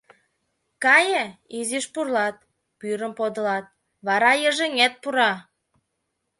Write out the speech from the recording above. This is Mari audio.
Кае, изиш пурлат, пӱрым подылат, вара йыжыҥет пура.